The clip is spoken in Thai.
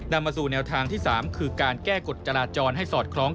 นำมาสู่แนวทางที่๓คือการแก้กฎจราจรให้สอดคล้อง